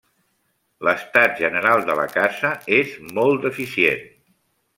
L'estat general de la casa és molt deficient.